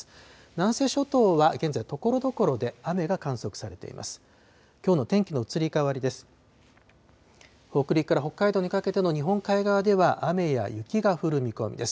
南西諸島は現在、ところどころで雨が観測されています。